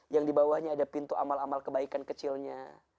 yang di bawahnya ada pintu amal amal kebaikan kecilnya